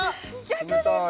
逆です